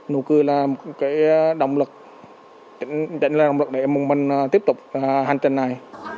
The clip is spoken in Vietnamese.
nụ cười là một cái động lực định là động lực để mong mình tiếp tục hành trình này